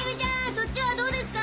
そっちはどうですか？